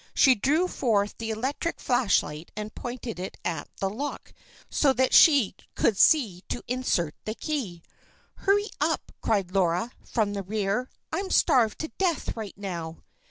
She drew forth the electric flashlight and pointed it at the lock, so she could see to insert the key. "Hurry up!" cried Laura, from the rear. "I'm starved to death right now."